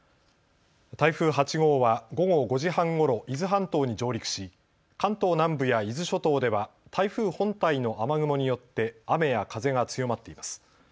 台風８号は午後５時半ごろ伊豆半島に上陸し、関東南部や伊豆諸島では台風本体の雨雲によって雨や風が強まっています。